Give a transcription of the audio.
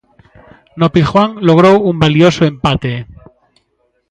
No Pizjuán logrou un valioso empate.